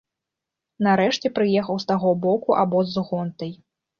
Нарэшце прыехаў з таго боку абоз з гонтай.